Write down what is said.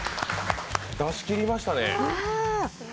出し切りましたね。